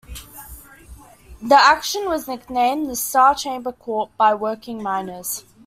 The action was nicknamed the "star chamber court" by working miners.